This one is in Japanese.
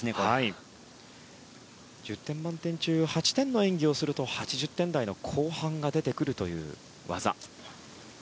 １０点満点中８点の演技をすると８０点台の後半が出てくるという技。